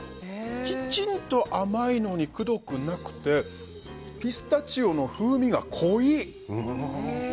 きちんと甘いのにくどくなくてピスタチオの風味が濃い。